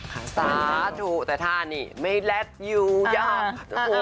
ภาษาถูกแต่ถ้านี่ไม่เล็ดอยู่ยาก